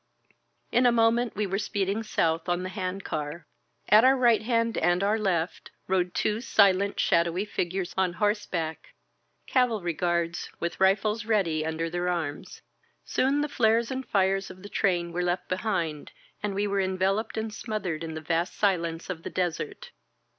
In a moment we were speeding south on the hand car. At our right hand and our left rode two silent, shadowy figures on horseback — cavalry guards, with rifles ready under their arms. Soon the flares and fires of the train were left behind, and we were enveloped and smothered in the vast silence of the desert.